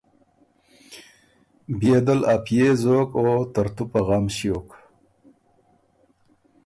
بيې دل ا پئے زوک او ترتُو په غم ݭیوک۔